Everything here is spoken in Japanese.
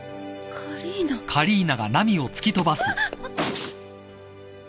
カリーナ！